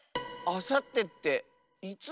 あさってっていつ？